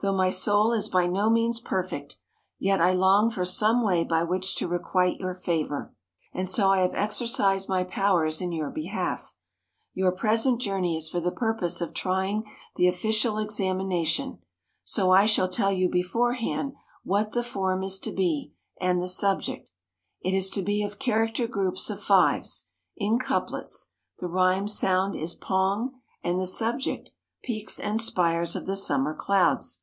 Though my soul is by no means perfect, yet I long for some way by which to requite your favour, and so I have exercised my powers in your behalf. Your present journey is for the purpose of trying the official Examination, so I shall tell you beforehand what the form is to be, and the subject. It is to be of character groups of fives, in couplets; the rhyme sound is 'pong,' and the subject 'Peaks and Spires of the Summer Clouds.'